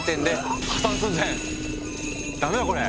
ダメだこれ！